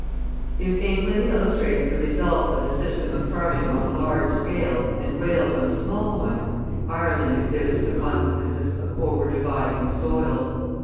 If England illustrates the results of the system of farming on a large scale and Wales on a small one, Ireland exhibits the consequences of overdividing the soil.